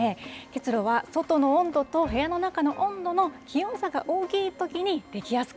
結露は外の温度と部屋の中の温度の気温差が大きいときに出来やす